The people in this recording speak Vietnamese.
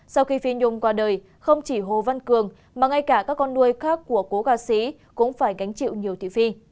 sau khi phi nhung qua đời không chỉ hồ văn cường mà ngay cả các con nuôi khác của cố ca sĩ cũng phải gánh chịu nhiều thị phi